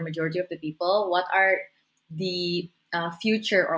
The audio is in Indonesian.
apa jenis komoditas berikutnya